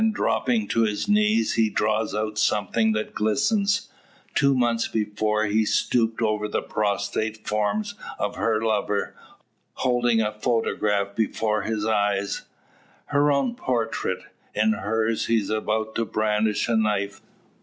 Then dropping to his knees, he draws out something that glistens. Two months before he stooped over the prostrate form of her lover, holding a photograph before his eyes her own portrait. In her's he is about to brandish a knife!